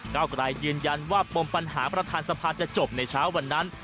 เก้าไกรยืนยันว่าปมปัญหาประธานสภาจะจบในเช้าวันนั้น